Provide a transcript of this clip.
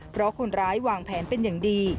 เพราะคนร้ายวางแผนเป็นอย่างดี